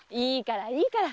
いいから！